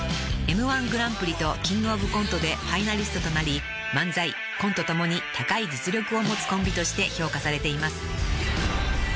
［Ｍ−１グランプリとキングオブコントでファイナリストとなり漫才コント共に高い実力を持つコンビとして評価されています］